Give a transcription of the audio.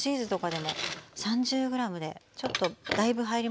３０ｇでちょっとだいぶ入ります